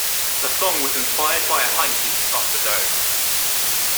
The song was inspired by a hike he took up the dome.